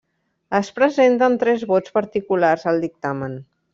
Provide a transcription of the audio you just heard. Es presenten tres vots particulars al Dictamen.